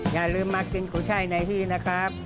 อย่าลืมมากินกุช่ายในที่นะครับ